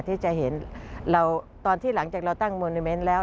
ที่จะเห็นเราตอนที่หลังจากเราตั้งโมนิเมนต์แล้ว